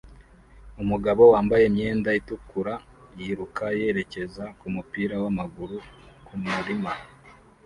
Umugabo wambaye imyenda itukura yiruka yerekeza kumupira wamaguru kumurima